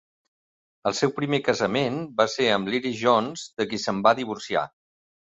El seu primer casament va ser amb l'Iris Jones, de qui se'n va divorciar.